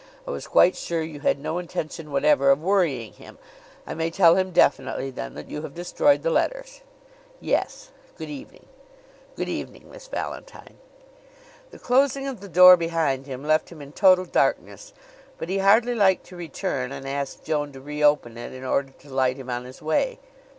I was quite sure you had no intention whatever of worrying him. I may tell him definitely, then, that you have destroyed the letters?" "Yes. Good evening." "Good evening, Miss Valentine." The closing of the door behind him left him in total darkness, but he hardly liked to return and ask Joan to reopen it in order to light him on his way.